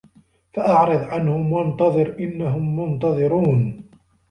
فَأَعرِض عَنهُم وَانتَظِر إِنَّهُم مُنتَظِرونَ